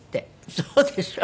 そうでしょう？